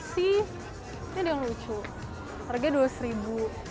see ini ada yang lucu harganya rp dua puluh